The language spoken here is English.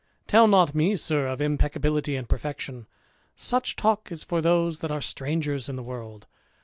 Tell not me, sir, of impcccabihty and perfection; such talk is for those that are strangers in the world.